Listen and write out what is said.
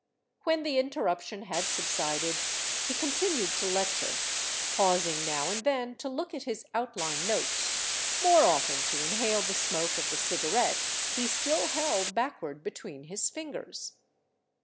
When the interruption had subsided, he continued to lecture, pausing now and then to look at his outline notes, more often to inhale the smoke of the cigarette he still held backward be tween his fingers.